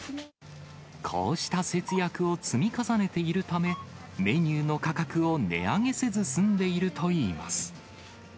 こうした節約を積み重ねているため、メニューの価格を値上げせず済んでいるといいます。